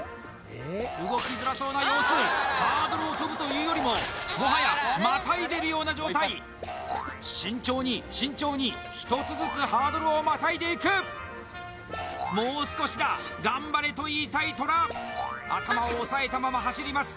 動きづらそうな様子ハードルを跳ぶというよりももはやまたいでるような状態慎重に慎重に１つずつハードルをまたいでいくもう少しだ頑張れと言いたいトラ頭を押さえたまま走ります